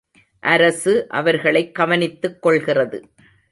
அரசு அவர்களைக் கவனித்துக்கொள்கிறது.